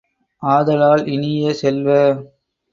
ஆதலால், இனிய செல்வ!